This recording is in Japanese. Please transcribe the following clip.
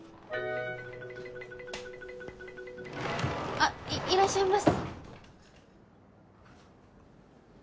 ・あっいいらっしゃいま。